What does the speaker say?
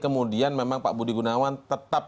kemudian memang pak budi gunawan tetap